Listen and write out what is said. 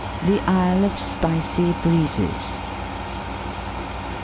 THE ISLE OP SPICY BREEZES.